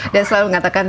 dia selalu ngatakan